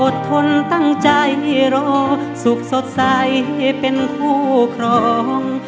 ทนตั้งใจรอสุขสดใสเป็นคู่ครอง